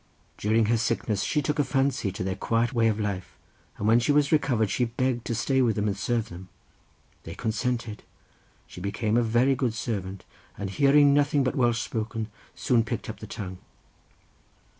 During her sickness she took a fancy to their quiet way of life, and when she was recovered she begged to stay with them and serve them. They consented; she became a very good servant, and hearing nothing but Welsh spoken, soon picked up the tongue."